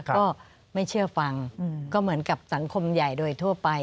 ก็ไม่เชื่อฟังก็เหมือนกับสังคมใหญ่โดยทั่วไป